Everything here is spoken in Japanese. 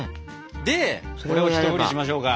でこれを１振りしましょうか。